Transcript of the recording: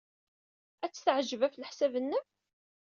Ad t-teɛjeb, ɣef leḥsab-nnem?